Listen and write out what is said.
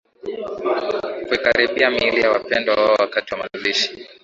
kuikaribia miili ya wapendwa wao wakati wa mazishi